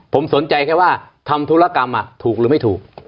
ผมสนใจแค่ว่าทำธุรกรรมถูกหรือไม่ถูก